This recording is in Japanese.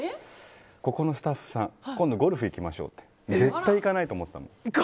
ここのスタッフさん今度ゴルフ行きましょうって絶対に行かないと思ってたの。